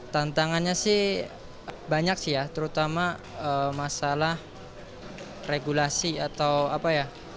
tantangannya sih banyak sih ya terutama masalah regulasi atau apa ya